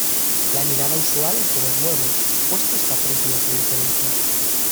La nidada usual es de dos huevos, puestos a tres días de diferencia.